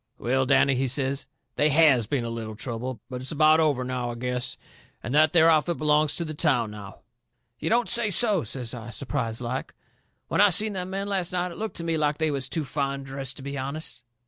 "Well, Danny," he says, "they HAS been a little trouble. But it's about over, now, I guess. And that there outfit belongs to the town now." "You don't say so!" says I, surprised like. "When I seen them men last night it looked to me like they was too fine dressed to be honest."